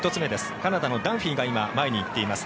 カナダのダンフィーが今、前に行っています。